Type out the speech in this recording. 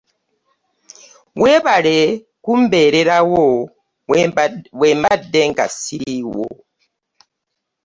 Webaale kumbererawo wembade nga siriiwo.